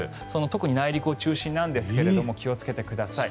特に内陸を中心にですが気をつけてください。